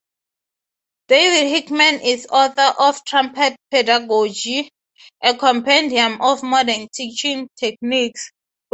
David Hickman is author of "Trumpet Pedagogy: A Compendium of Modern Teaching Techniques".